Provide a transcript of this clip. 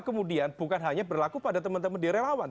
kemudian bukan hanya berlaku pada teman teman direlawan